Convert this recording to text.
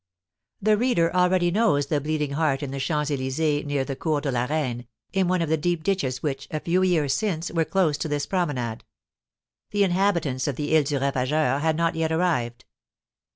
The reader already knows the Bleeding Heart in the Champs Elysées, near the Court de la Reine, in one of the deep ditches which, a few years since, were close to this promenade. The inhabitants of the Isle du Ravageur had not yet arrived.